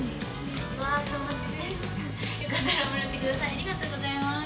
ありがとうございます！